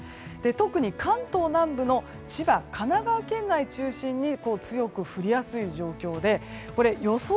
特に関東南部の千葉、神奈川県内中心に強く降りやすい状況で予想